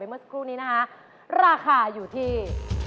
เมื่อสักครู่นี้นะคะราคาอยู่ที่